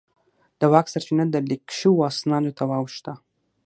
د واک سرچینه د لیک شوو اسنادو ته واوښته.